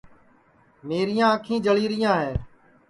میریاں انکھی جݪی ریاں ہے